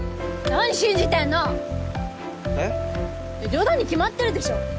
冗談に決まってるでしょ！